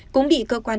cũng bị cơ quan định